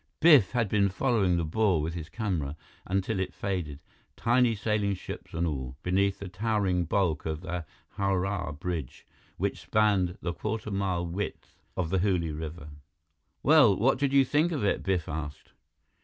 Biff had been following the bore with his camera, until it faded, tiny sailing ships and all, beneath the towering bulk of the Howrah Bridge, which spanned the quarter mile width of the Hooghly River. "Well, what did you think of it?" Biff asked.